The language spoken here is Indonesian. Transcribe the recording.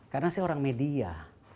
karena saya orang media